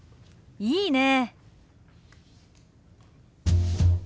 いいねえ。